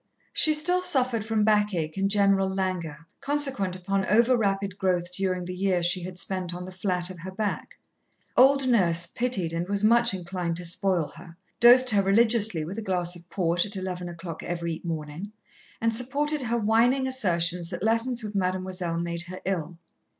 She still suffered from backache and general languor, consequent upon over rapid growth during the year she had spent on the flat of her back. Old Nurse pitied and was much inclined to spoil her, dosed her religiously with a glass of port at eleven o'clock every morning, and supported her whining assertions that lessons with Mademoiselle made her ill.